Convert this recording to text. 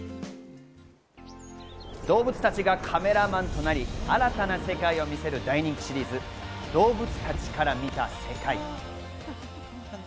動物たちがカメラマンとなり、新たな世界を見せる大人気シリーズ、『動物たちから見た世界』。